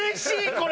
これ。